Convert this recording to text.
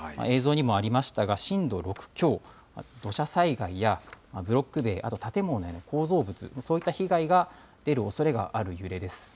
映像にもありましたが、震度６強、土砂災害やブロック塀、あと建物などの構造物、そういった被害が出るおそれがある揺れです。